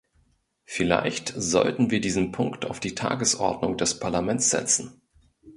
Vielleicht sollten wir diesen Punkt auf die Tagesordnung des Parlaments setzen.